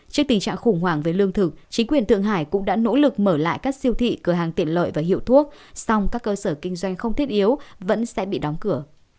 trước tình trạng khủng hoảng về lương thực chính quyền thượng hải cũng đã nỗ lực mở lại các siêu thị cửa hàng tiện lợi và hiệu thuốc song các cơ sở kinh doanh không thiết yếu vẫn sẽ bị đóng cửa